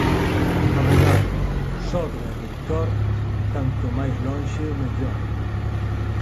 Avogado, sogra e doutor, canto máis lonxe mellor